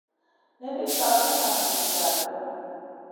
Nizi tap slèna vizi dara kep.